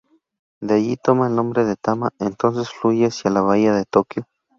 De allí, toma el nombre de Tama, entonces fluye hacia la bahía de Tokio.